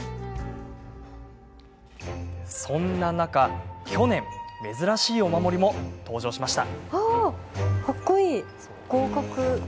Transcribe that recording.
そんな中、去年珍しいお守りも登場しました。